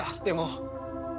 でも。